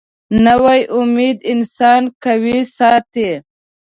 نوې امید انسان قوي ساتي